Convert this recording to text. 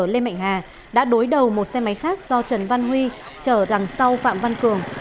lê mạnh hà đã đối đầu một xe máy khác do trần văn huy chở đằng sau phạm văn cường